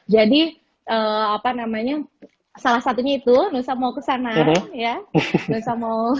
jadi salah satunya itu nusa mau kesana ya